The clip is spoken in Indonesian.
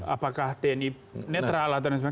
apakah tni netral atau tidak